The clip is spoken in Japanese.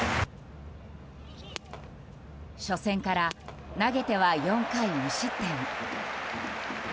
初戦から投げては４回無失点。